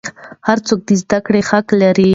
هر څوک د زده کړې حق لري.